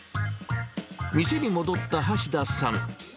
店に戻った橋田さん。